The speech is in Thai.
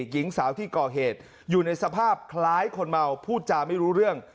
หญิงสาวที่ก่อเหตุอยู่ในสภาพคล้ายคนเมาพูดจาไม่รู้เรื่อง